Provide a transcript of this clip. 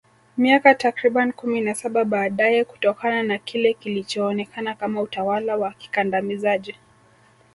Miaka takriban kumi na Saba baadaye kutokana na kile kilichoonekana kama utawala wa kikandamizaji